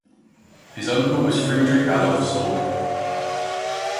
His uncle was Friedrich Adolf Sorge.